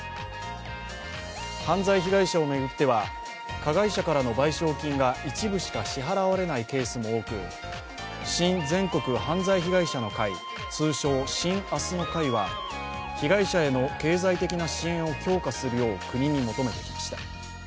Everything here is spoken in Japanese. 犯罪被害者を巡っては、加害者からの賠償金が一部しか支払われないケースも多く、新全国犯罪被害者の会、通称・新あすの会は被害者への経済的な支援を強化するよう国に求めてきました。